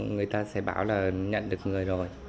người ta sẽ báo là nhận được người rồi